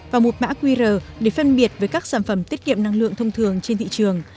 và một mã qr để phân biệt với các sản phẩm tiết kiệm năng lượng thông thường trên thị trường